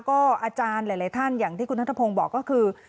ก็อาจารย์หลายท่านอย่างที่คุณนัทพงศ์บอกก็คือ